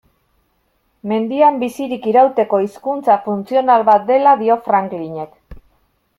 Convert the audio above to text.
Mendian bizirik irauteko hizkuntza funtzional bat dela dio Franklinek.